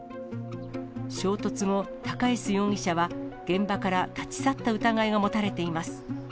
衝突後、高江洲容疑者は現場から立ち去った疑いが持たれています。